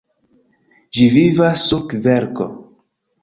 Ĝi vivas sur kverko.